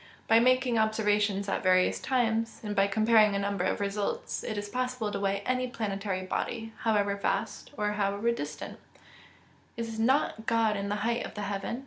By making observations at various times, and by comparing a number of results, it is possible to weigh any planetary body, however vast, or however distant. [Verse: "Is not God in the height of the heaven?